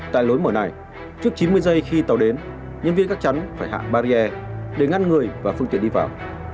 tại lối mở này trước chín mươi giây khi tàu đến nhân viên gắt chắn phải hạng barrier để ngăn người và phương tiện đi vào